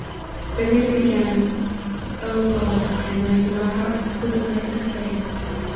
The reader began :' O God, enlighten our hearts with the light of faith